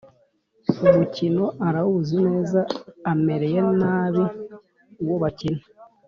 umukino arawuzi neza amereye nabi uwobakina